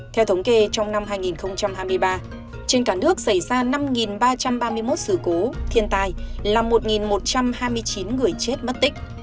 theo thống kê trong năm hai nghìn hai mươi ba trên cả nước xảy ra năm ba trăm ba mươi một sự cố thiên tai là một một trăm hai mươi chín người chết mất tích